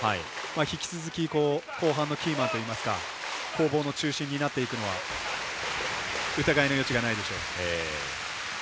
引き続き後半のキーマンといいますか攻防の中心になっていくのは疑いの余地がないでしょう。